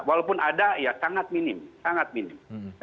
walaupun ada ya sangat minim sangat minim